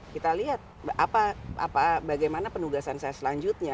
kita lihat bagaimana penugasan saya selanjutnya